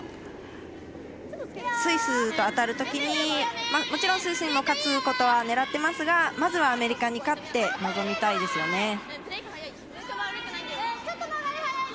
スイスと当たるときにもちろんスイスにも勝つことは狙ってますがまずはアメリカに勝って臨みたいですよね。